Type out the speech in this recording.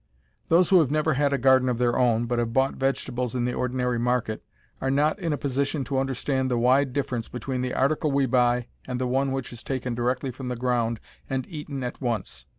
Those who have never had a garden of their own, but have bought vegetables in the ordinary market, are not in a position to understand the wide difference between the article we buy and the one which is taken directly from the ground and eaten at once.